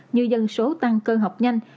như dân số tăng cơ học nhanh